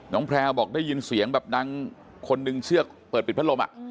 น้องแพลวบอกได้ยินเสียงแบบนางคนดึงเชือกเปิดปิดพัดลมอ่ะ